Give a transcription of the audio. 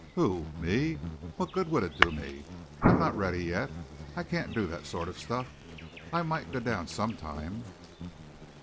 "Who? me? What good would it do me? I'm not ready yet. I can't do that sort of stuff. I might go down some time."